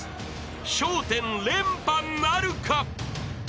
［笑１０連覇なるか？］